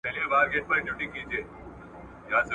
د پاچاهانو د زړه ساتلو لپاره به